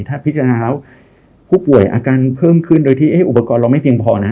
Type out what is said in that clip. ถ้าพิจารณาแล้วผู้ป่วยอาการเพิ่มขึ้นโดยที่อุปกรณ์เราไม่เพียงพอนะ